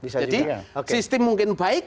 jadi sistem mungkin baik